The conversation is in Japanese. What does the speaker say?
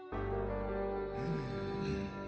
うん。